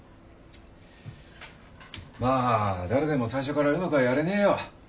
まあ誰でも最初からうまくはやれねえよ。